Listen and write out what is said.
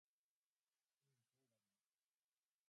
うんそうだね